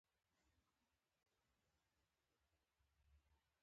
سپی بيا هم زما تر چپلکو لاندې پټ شو.